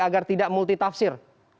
agar tidak multi tafsir